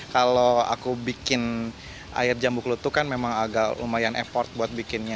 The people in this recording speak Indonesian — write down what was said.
kalau aku bikin air jambu kelutuk kan memang agak lumayan effort buat bikinnya